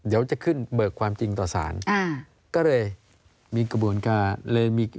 เดี๋ยวจะขึ้นเบิกความจริงต่อศาล